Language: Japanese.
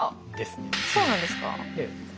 そうなんですか？